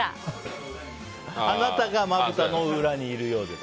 あなたがまぶたの裏にいるようでだ。